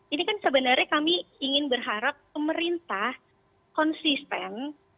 ini kan sebenarnya kami ingin berharap pemerintah konsisten